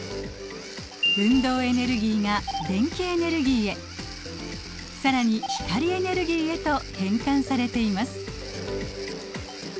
運動エネルギーが電気エネルギーへ更に光エネルギーへと変換されています。